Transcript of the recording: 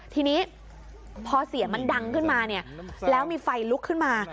ทีนี้พอเสียงมันดังขึ้นมาเนี่ยแล้วมีไฟลุกขึ้นมา